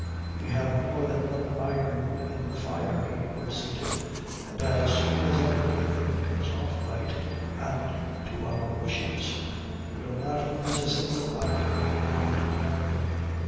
"We have more than one iron in the fire," he proceeded, "an' as soon as everything comes off right, and to our wishes, we'll not lose a single hour in going to America."